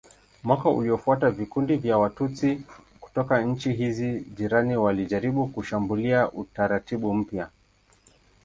Mwaka uliofuata vikundi vya Watutsi kutoka nchi hizi za jirani walijaribu kushambulia utaratibu mpya.